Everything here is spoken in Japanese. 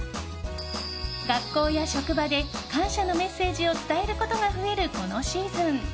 学校や職場で感謝のメッセージを伝えることが増えるこのシーズン。